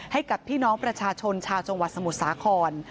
ให้กับพี่น้องประชาชนชาวจังหวัดสมุทรสาคร